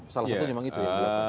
salah satu memang itu ya